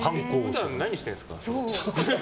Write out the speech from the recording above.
普段、何してるんですか？